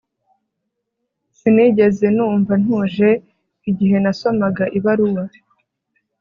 Sinigeze numva ntuje igihe nasomaga ibaruwa